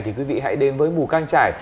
thì quý vị hãy đến với mù cang trải